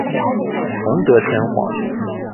崇德天皇。